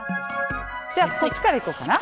じゃあこっちから行こうかな。